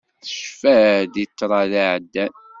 Tecfa-d i ṭṭrad iɛeddan.